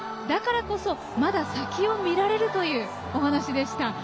だからこそまだ先を見られるというお話でした。